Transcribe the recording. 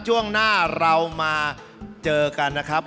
ช่วงหน้าเรามาเจอกันนะครับ